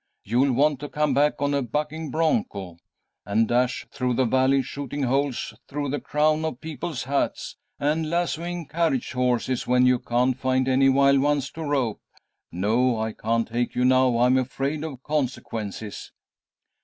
You'll want to come back on a bucking broncho, and dash through the Valley, shooting holes through the crown of people's hats, and lassoing carriage horses when you can't find any wild ones to rope. No, I can't take you now. I'm afraid of consequences."